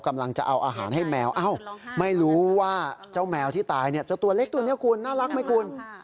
ไม่รู้ว่าเจ้าแมวที่ตายเนี่ยเจ้าตัวเล็กตัวนี้คุณน่ารักไหมคุณ